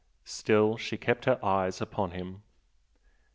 Still she kept her eyes upon him.